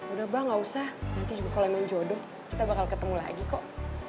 udah bang gak usah nanti juga kalau emang jodoh kita bakal ketemu lagi kok